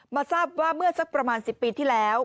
ทราบว่าเมื่อสักประมาณ๑๐ปีที่แล้ว